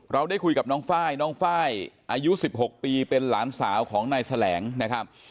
ได้คุยกับน้องไฟล์น้องไฟล์อายุ๑๖ปีเป็นหลานสาวของนายแสลงนะครับ